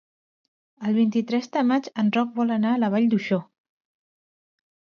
El vint-i-tres de maig en Roc vol anar a la Vall d'Uixó.